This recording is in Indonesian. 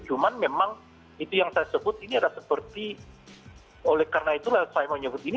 cuman memang itu yang saya sebut ini adalah seperti oleh karena itulah saya menyebut ini